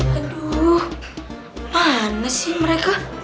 aduh mana sih mereka